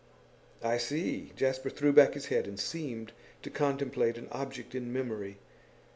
'I see.' Jasper threw back his head and seemed to contemplate an object in memory.